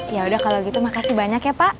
yaudah kalau gitu makasih banyak ya pak